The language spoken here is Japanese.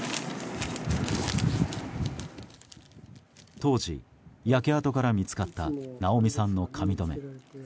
当時、焼け跡から見つかった奈央美さんの髪留め。